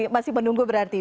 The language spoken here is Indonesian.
masih menunggu berarti